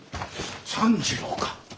三次郎か。